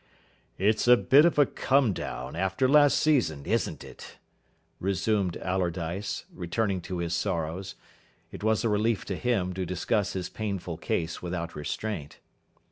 "It's a bit of a come down after last season, isn't it?" resumed Allardyce, returning to his sorrows. It was a relief to him to discuss his painful case without restraint.